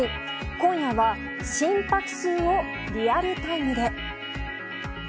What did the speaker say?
今夜は心拍数をリアルタイムで。